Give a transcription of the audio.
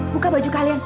buka baju kalian